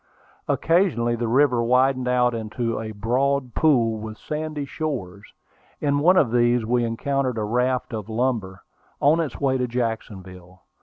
Occasionally the river widened out into a broad pool, with sandy shores. In one of these we encountered a raft of lumber, on its way to Jacksonville.